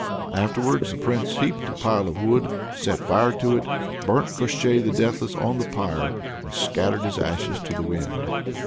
Afterwards the Prince heaped up a pile of wood, set fire to it, burnt Koshchei the Deathless on the pyre, and scattered his ashes to the wind.